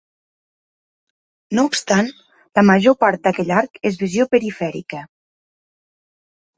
No obstant, la major part d'aquell arc és visió perifèrica.